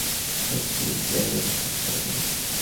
সত্যিই যায়গাটা ফাঁকা করে দিল।